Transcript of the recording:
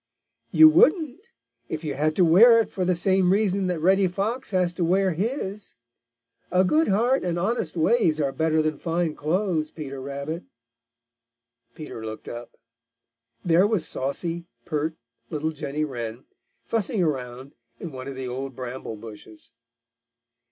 "You wouldn't, if you had to wear it for the same reason that Reddy Fox has to wear his. A good heart and honest ways are better than fine clothes, Peter Rabbit." Peter looked up. There was saucy, pert, little Jenny Wren fussing around in one of the old bramble bushes.